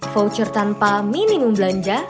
voucher tanpa minimum belanja